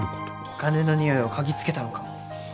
お金のにおいを嗅ぎつけたのかも。